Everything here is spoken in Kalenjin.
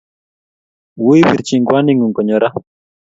Wui pirchi kwaningung konyo ra